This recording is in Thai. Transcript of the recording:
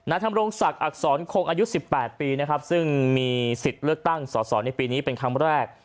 ธรรมรงศักดิ์อักษรคงอายุ๑๘ปีนะครับซึ่งมีสิทธิ์เลือกตั้งสอสอในปีนี้เป็นครั้งแรก